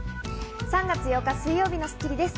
３月８日、水曜日の『スッキリ』です。